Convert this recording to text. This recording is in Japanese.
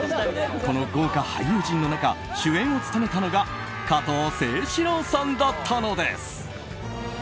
この豪華俳優陣の中主演を務めたのが加藤清史郎さんだったのです。